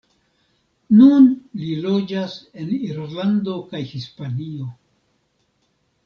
Nun li loĝas en Irlando kaj Hispanio.